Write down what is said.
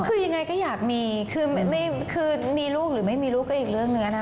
คือยังไงก็อยากมีคือมีลูกหรือไม่มีลูกก็อีกเรื่องเนื้อนะ